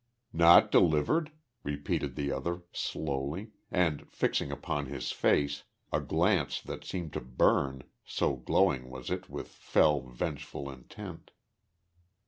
"Not delivered?" repeated the other slowly, and fixing upon his face a glance that seemed to burn, so glowing was it with fell, vengeful intent.